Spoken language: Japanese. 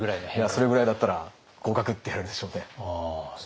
それぐらいだったら合格！って言われるでしょうね。